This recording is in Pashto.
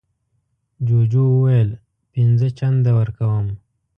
جوجو وویل پینځه چنده ورکوم.